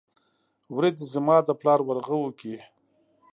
ورځې زما د پلار ورغوو کې ،